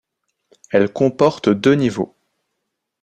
Elle comporte deux niveaux.